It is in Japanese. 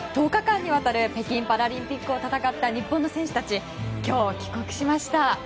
１０日間にわたる北京パラリンピックを戦った日本の選手たちが今日、帰国しました。